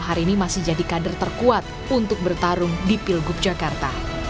hari ini masih jadi kader terkuat untuk bertarung di pilgub jakarta